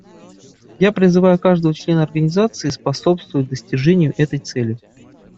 Я призываю каждого члена Организации способствовать достижению этой цели.